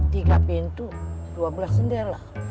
tiga pintu dua belas jendera